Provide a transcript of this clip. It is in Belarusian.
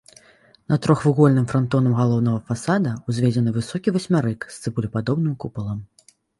Над трохвугольным франтонам галоўнага фасада ўзведзены высокі васьмярык з цыбулепадобным купалам.